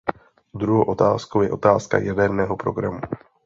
Druhou otázkou je otázka jaderného programu.